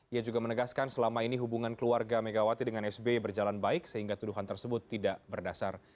ia juga menegaskan selama ini hubungan keluarga megawati dengan sbi berjalan baik sehingga tuduhan tersebut tidak berdasar